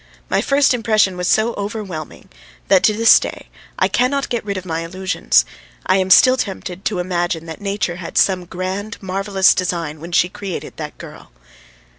My first impression was so overwhelming that to this day I cannot get rid of my illusions; I am still tempted to imagine that nature had some grand, marvellous design when she created that girl.